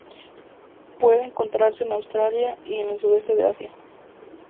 Puede encontrarse en Australia y en el sudeste de Asia.